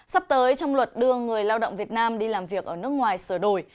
sắp tới trong luật đưa người lao động việt nam đi làm việc ở nước ngoài sửa đổi